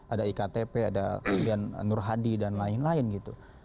ada iktp ada kemudian nur hadi dan lain lain gitu